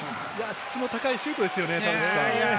質の高いシュートですよね。